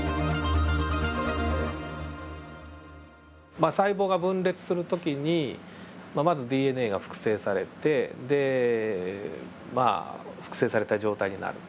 まあ細胞が分裂する時にまずＤＮＡが複製されてでまあ複製された状態になると。